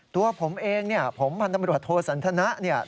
ตัวผมเองผมพันธมรวชโทสันถณะ